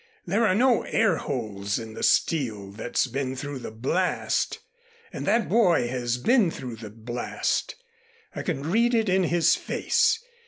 There are no airholes in the steel that's been through the blast, and that boy has been through the blast. I can read it in his face.